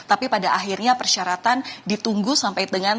akhirnya persyaratan ditunggu sampai dengan